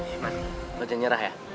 eh man gak ada yang nyerah ya